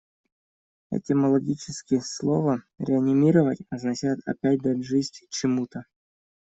Этимологически слово "реанимировать" означает опять дать жизнь чему-то.